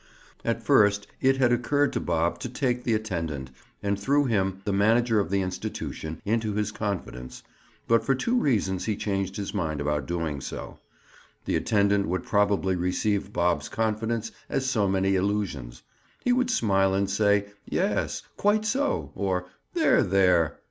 At first, it had occurred to Bob to take the attendant—and through him, the manager of the institution—into his confidence, but for two reasons he changed his mind about doing so. The attendant would probably receive Bob's confidence as so many illusions; he would smile and say "Yes—quite so!" or "There! there!"